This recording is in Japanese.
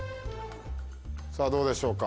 さぁどうでしょうか？